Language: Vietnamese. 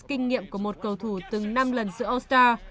kinh nghiệm của một cầu thủ từng năm lần giữa all star